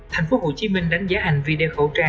thành phố hồ chí minh đánh giá hành vì đeo khẩu trang